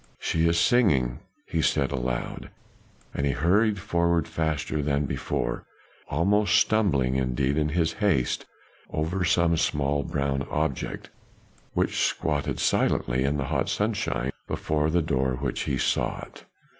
"She is singing," he said aloud. And he hurried forward faster than before almost stumbling indeed in his haste over some small brown object, which squatted silently in the hot sunshine before the door which he sought.